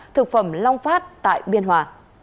thực phẩm long phát tại biên hòa